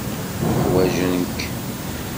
Ḥwajen-k.